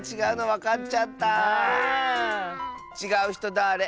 「ちがうひとはだれ？」